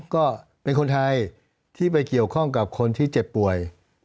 ก็เป็นคนไทยที่ไปเกี่ยวข้องกับคนที่เจ็บป่วย